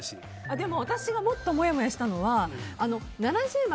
でも、私がもっともやもやしたのは７０枚